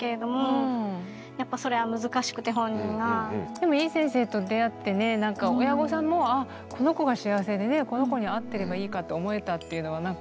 でもいい先生と出会ってねなんか親御さんもあこの子が幸せでねこの子に合ってればいいかと思えたっていうのはなんか。